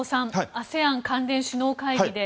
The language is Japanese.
ＡＳＥＡＮ関連首脳会議で